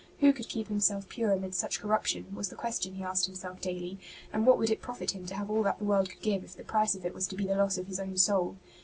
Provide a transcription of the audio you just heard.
Who could keep himself pure amidst such corruption, was the question he asked himself daily, and what would it profit him to have all that the world could give if the price of it was to be the loss of his own soul